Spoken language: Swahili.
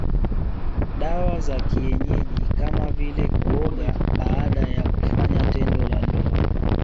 Dawa za kienyeji kama vile kuoga baada ya kufanya tendo la ndoa